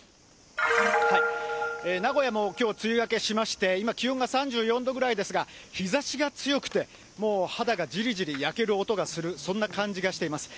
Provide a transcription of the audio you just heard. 名古屋もきょう、梅雨明けしまして、今気温が３４度ぐらいですが、日ざしが強くて、もう肌がじりじり焼ける音がする、そんな感じがしています。